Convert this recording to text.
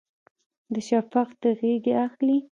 د شفق د غیږې اخلي